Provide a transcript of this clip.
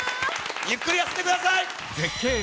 ゆっくり休んでください。